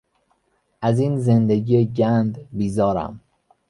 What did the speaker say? از این زندگی گند بیزارم.